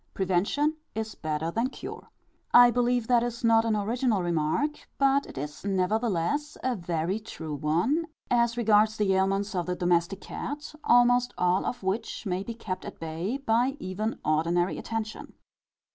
Prevention is better than cure. I believe that is not an original remark; but it is nevertheless a very true one, as regards the ailments of the domestic cat, almost all of which may be kept at bay by even ordinary attention.